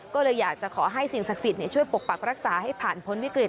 ก็เลยอยากจะขอให้สิ่งศักดิ์สิทธิ์ช่วยปกปักรักษาให้ผ่านพ้นวิกฤต